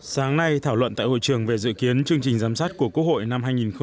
sáng nay thảo luận tại hội trường về dự kiến chương trình giám sát của quốc hội năm hai nghìn hai mươi